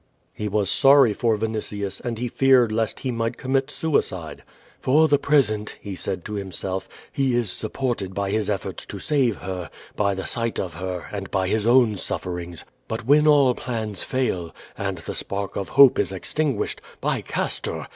He was sorry for Vinitius, and he feared lest he might commit suicide. ^"For the present/' he said to himself, "hi is supported by his efforts to save her, by the sight of heil and by his own sufferings; but when all plans fail, and tha s jmrk of hope is extinguished, by Castor!